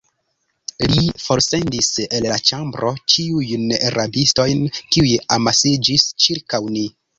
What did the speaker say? Li forsendis el la ĉambro ĉiujn rabistojn, kiuj amasiĝis ĉirkaŭ ni.